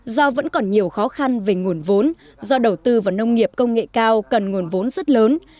do vẫn còn nhiều khó khăn về nguồn vốn do đầu tư vào nông nghiệp công nghệ cao cần nguồn vốn rất lớn